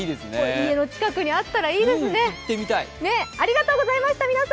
家の近くにあったらいいですね。